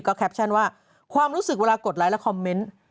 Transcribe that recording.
แคปชั่นว่าความรู้สึกเวลากดไลค์และคอมเมนต์